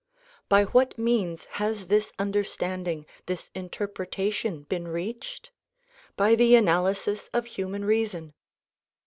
By what means has this understanding, this interpretation been reached ? By the analysis of human reason.